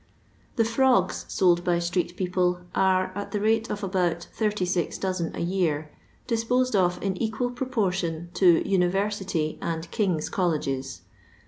The Froffs sold by street people are, at the rats of about 3t> dozen a year, disposed of in equsl proportion to University and King's Colleges.